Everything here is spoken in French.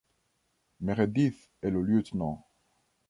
Meredith et le lieutenant.